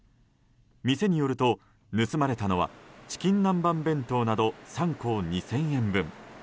店によると盗まれたのはチキン南蛮弁当など３個２０００円分。